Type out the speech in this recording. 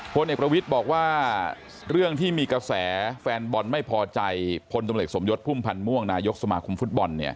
พลเอกประวิทย์บอกว่าเรื่องที่มีกระแสแฟนบอลไม่พอใจพลตำรวจสมยศพุ่มพันธ์ม่วงนายกสมาคมฟุตบอล